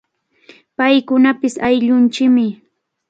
Paykunapish ayllunchikmi.